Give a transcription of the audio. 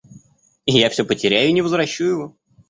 И я всё потеряю и не возвращу его.